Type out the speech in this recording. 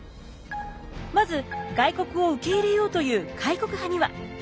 まず外国を受け入れようという開国派には。